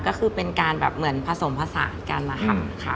ก็คือเป็นการให้ผสมผสานกันค่ะ